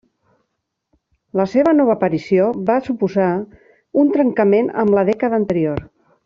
La seva nova aparició va suposar un trencament amb la dècada anterior.